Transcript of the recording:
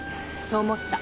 そう思った。